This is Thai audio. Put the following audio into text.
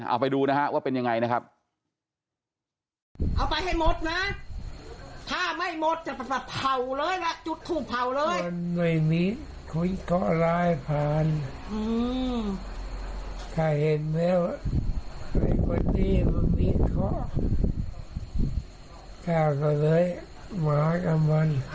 เอาไปดูนะฮะว่าเป็นยังไงนะครับ